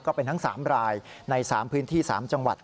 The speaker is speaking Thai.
ก็เป็นทั้ง๓รายใน๓พื้นที่๓จังหวัด